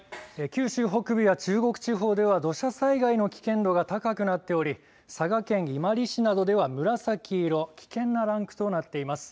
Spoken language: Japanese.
九州北部や中国地方では土砂災害の危険度が高くなっており佐賀県伊万里市などでは紫色危険なランクとなっています。